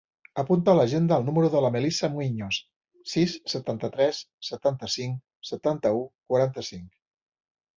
Apunta a l'agenda el número de la Melissa Muiños: sis, setanta-tres, setanta-cinc, setanta-u, quaranta-cinc.